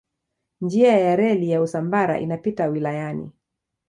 Njia ya reli ya Usambara inapita wilayani.